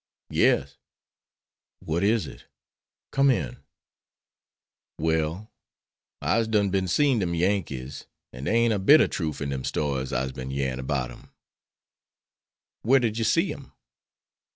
"Yes." "What is it? Come in." "Well, I'se done bin seen dem Yankees, an' dere ain't a bit of troof in dem stories I'se bin yerin 'bout 'em." "Where did you see 'em?"